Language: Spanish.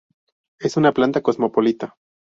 Es una planta cosmopolita.